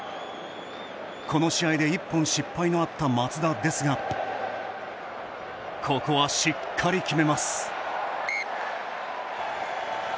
この試合で１本失敗のあった松田ですがここは、しっかり決めます。